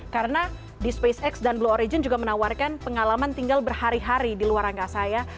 karena di spacex dan blue origin juga menawarkan pengalaman tinggal berhari hari di luar angkasa ya